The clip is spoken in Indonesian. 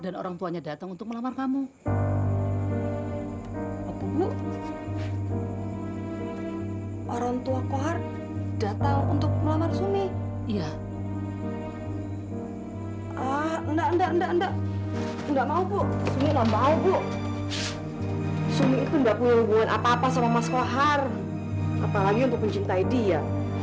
apalagi untuk mencintai dia